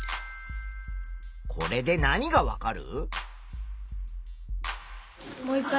これで何がわかる？